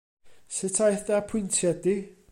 Sut aeth dy apwyntiad 'di?